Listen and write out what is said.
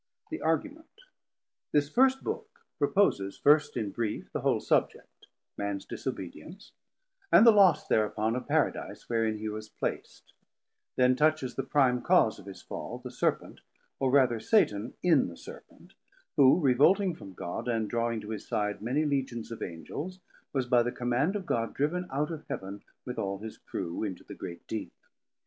THE ARGUMENT. THIS first Book proposes first in brief the whole Subject, Mans disobedience, and the loss thereupon of Paradise wherein he was plac't: Then touches the prime cause of his fall, the Serpent, or rather Satan in the Serpent; who revolting from God, and drawing to his side many Legions of Angels, was by the command of God driven out of Heaven with all his Crew into the great Deep.